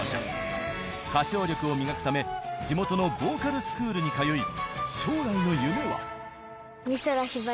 歌唱力を磨くため地元のボーカルスクールに通い将来の夢は。